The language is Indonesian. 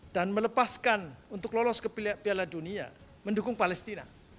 dan melepaskan untuk lolos ke piala dunia mendukung palestina